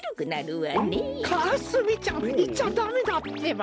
かすみちゃんいっちゃダメだってば！